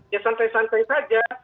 ya santai santai saja